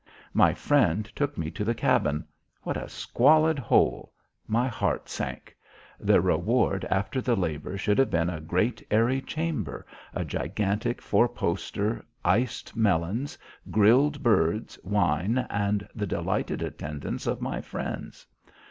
My friend took me to the cabin. What a squalid hole! My heart sank. The reward after the labour should have been a great airy chamber, a gigantic four poster, iced melons, grilled birds, wine, and the delighted attendance of my friends.